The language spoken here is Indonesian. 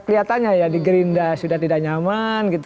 kelihatannya ya di gerindra sudah tidak nyaman